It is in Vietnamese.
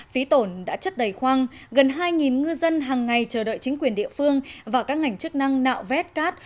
phí tổn đã chất đầy khoang gần hai ngư dân hàng ngày chờ đợi chính quyền địa phương và các ngành chức năng nạo vét cát